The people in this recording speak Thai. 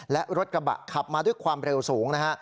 และรถกระบะขับมาด้วยความเร็วสูงนะฮะ